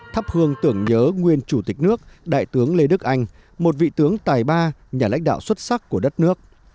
thắp hương tưởng nhớ nguyên chủ tịch nước đại tướng lê đức anh một vị tướng tài ba nhà lãnh đạo xuất sắc của đất nước